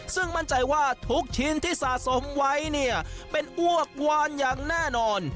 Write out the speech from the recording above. ซึ่งมั่นใจว่าทุกชิ้นที่สะสมไว้เนี่ยเป็นอ้วกวานอย่างแน่นอน